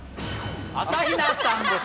朝日奈さんです。